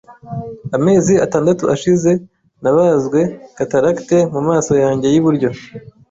Amezi atandatu ashize nabazwe cataracte mumaso yanjye yiburyo.